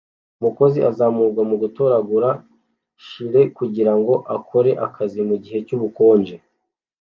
Umukozi azamurwa mu gutoragura Cherry kugirango akore akazi mugihe cyubukonje